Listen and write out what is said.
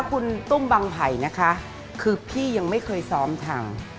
คุณตุ้มบังไผ่นะคะคือพี่ยังไม่เคยซ้อมทำ